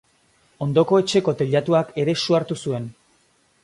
Ondoko etxeko teilatuak ere su hartu zuen.